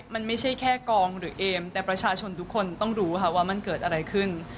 มันไม่ใช่แค่กองหรือเอมแต่ประชาชนทุกคนต้องรู้ค่ะว่ามันเกิดอะไรขึ้น